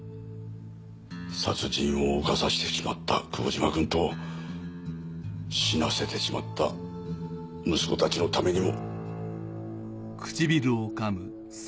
殺人を犯させてしまった久保島君と死なせてしまった息子たちのためにも。